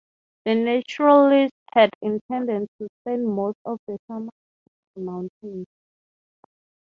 The naturalist had intended to spend most of the summer among the mountains.